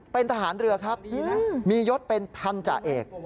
เป็นทหารเรือครับมียศเป็นพันธาเอก